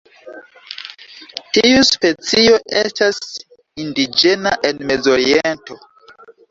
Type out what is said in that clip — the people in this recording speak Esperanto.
Tiu specio estas indiĝena en Mezoriento.